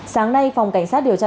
sáng nay phòng cảnh sát điều tra